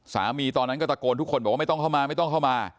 สามีตอนนั้นก็ตะโกนทุกคนบอกว่าไม่ต้องเข้ามา